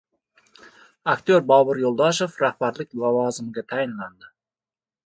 Aktyor Bobur Yo‘ldoshev rahbarlik lavozimiga tayinlandi